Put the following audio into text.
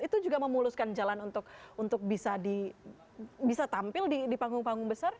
itu juga memuluskan jalan untuk bisa tampil di panggung panggung besar